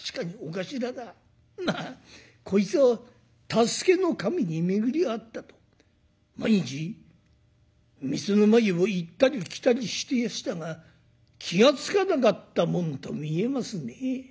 なあこいつは助けの神に巡り合ったと毎日店の前を行ったり来たりしてやしたが気が付かなかったもんと見えますね。